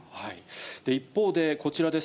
一方で、こちらです。